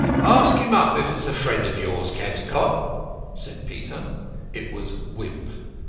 "Ask him up if it's a friend of yours, Cantercot," said Peter. It was Wimp.